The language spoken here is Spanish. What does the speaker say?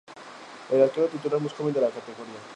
Es el arquero titular más joven de la categoría.